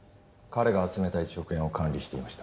彼が集めた１億円を管理していました。